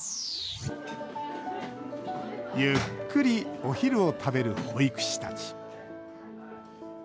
ゆっくりお昼を食べる保育士たち。